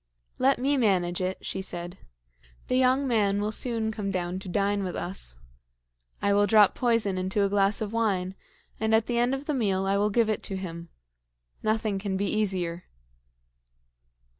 "Let me manage it," she said. "The young man will soon come down to dine with us. I will drop poison into a glass of wine, and at the end of the meal I will give it to him. Nothing can be easier."